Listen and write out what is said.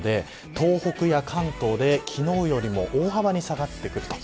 東北や関東で昨日よりも大幅に下がってくると。